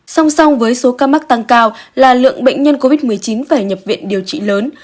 song song với số ca mắc tăng cao là lượng bệnh nhân covid một mươi chín phải nhập viện điều trị lớn